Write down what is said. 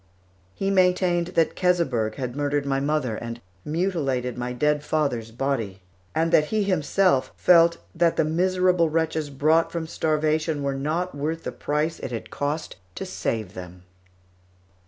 He maintained that Keseberg had murdered my mother and mutilated my dead father's body; and that he himself felt that the miserable wretches brought from starvation were not worth the price it had cost to save them.